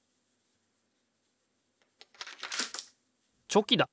チョキだ！